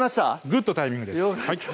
グッドタイミングです